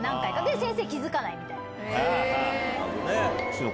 先生気付かないみたいな。